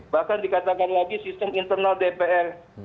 bahkan dikatakan lagi sistem internal dpr